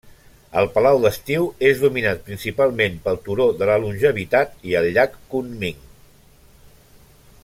El palau d'estiu és dominat principalment pel turó de la longevitat i el Llac Kunming.